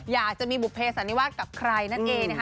อยากจะมีบุภเพศศัลนีวักกับใครนั่นเอง